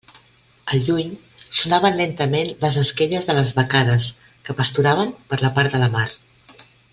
Al lluny sonaven lentament les esquelles de les vacades que pasturaven per la part de la mar.